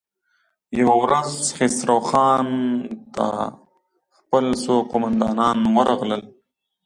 يوه ورځ خسرو خان ته خپل څو قوماندان ورغلل.